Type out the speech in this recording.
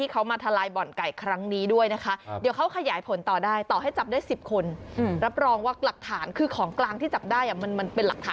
กำลังขับรถเข้าไปที่รองน้าแห่งหนึ่ง